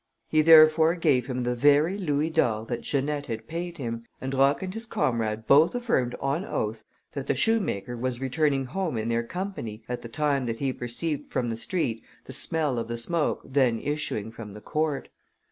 He therefore gave him the very louis d'or that Janette had paid him, and Roch and his comrade both affirmed on oath, that the shoemaker was returning home in their company, at the time that he perceived from the street the smell of the smoke then issuing from the court.